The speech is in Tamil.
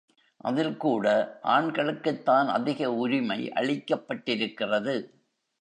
அதில் கூட ஆண்களுக்குத்தான் அதிக உரிமை அளிக்கப்பட்டிருக்கிறது.